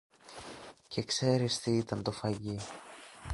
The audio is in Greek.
Και ξέρεις τι ήταν το φαγί